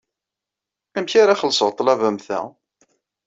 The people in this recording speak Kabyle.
Amek ara xellṣeɣ ḍḍlaba am ta?